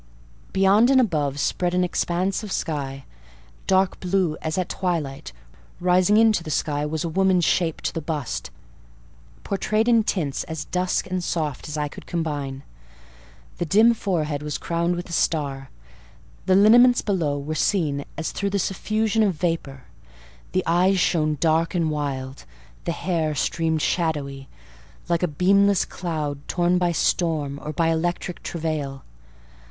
Beyond and above spread an expanse of sky, dark blue as at twilight: rising into the sky was a woman's shape to the bust, portrayed in tints as dusk and soft as I could combine. The dim forehead was crowned with a star; the lineaments below were seen as through the suffusion of vapour; the eyes shone dark and wild; the hair streamed shadowy, like a beamless cloud torn by storm or by electric travail.